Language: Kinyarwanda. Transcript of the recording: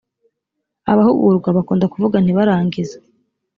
abahugurwa bakunda kuvuga ntibarangize